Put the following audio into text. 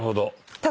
ただ。